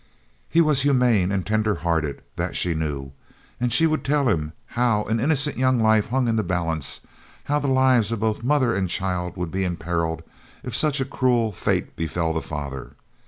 He was human and tender hearted, that she knew, and she would tell him how an innocent young life hung in the balance, how the lives of both mother and child would be imperilled if such a cruel fate befell the father.